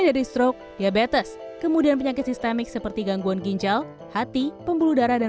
dari stroke diabetes kemudian penyakit sistemik seperti gangguan ginjal hati pembuluh darah dan